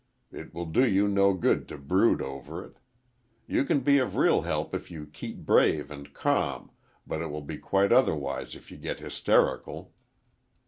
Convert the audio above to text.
It will do you no good to brood over it. You can be of real help if you keep brave and calm, but it will be quite otherwise if you get hysterical."